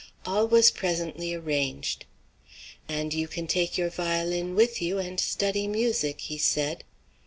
All was presently arranged. "And you can take your violin with you, and study music," he said.